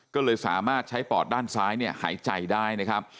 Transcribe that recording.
ก็เลยสามารถใช้ปอดด้านซ้ายเนี่ยหายใจได้นะครับ